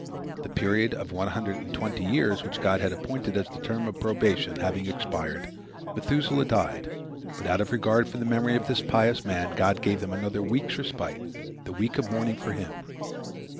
The period of one hundred and twenty years which God had appointed as the term of their probation having expired, Methuselah died, but out of regard for the memory of this pious man God gave them another week's respite, the week of mourning for him.